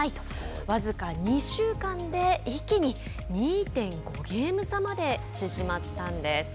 僅か２週間で一気に２．５ゲーム差まで縮まったんです。